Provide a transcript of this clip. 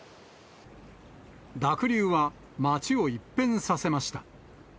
濁流は町を一変させました。